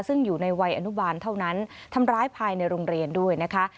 ซึ่งอยู่ในวัยอนุบาลเท่านั้นทำร้ายภายในโรงเรียนด้วยนะคะ